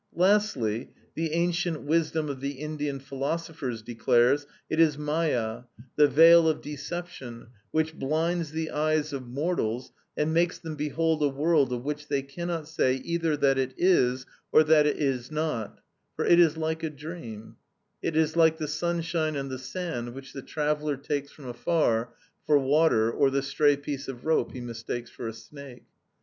Lastly, the ancient wisdom of the Indian philosophers declares, "It is Mâyâ, the veil of deception, which blinds the eyes of mortals, and makes them behold a world of which they cannot say either that it is or that it is not: for it is like a dream; it is like the sunshine on the sand which the traveller takes from afar for water, or the stray piece of rope he mistakes for a snake."